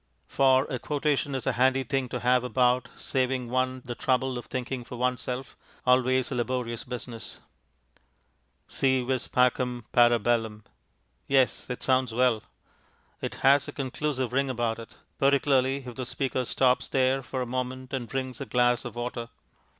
For a quotation is a handy thing to have about, saving one the trouble of thinking for oneself, always a laborious business. Si vis pacem, para bellum. Yes, it sounds well. It has a conclusive ring about it, particularly if the speaker stops there for a moment and drinks a glass of water.